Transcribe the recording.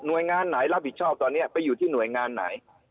โดยงานไหนรับผิดชอบตอนนี้ไปอยู่ที่หน่วยงานไหน